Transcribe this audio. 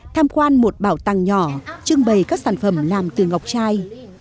tham quan một bảo tàng nhỏ trưng bày các sản phẩm làm từ ngọc trai